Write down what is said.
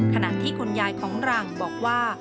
ขณะที่คุณยายของหลังบอกว่า